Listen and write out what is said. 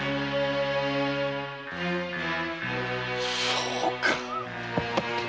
そうか！